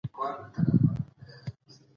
مهرباني وکړئ تل د خپلو هېوادوالو تولیدات وپېرئ.